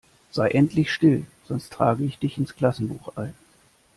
Sei endlich still, sonst trage ich dich ins Klassenbuch ein!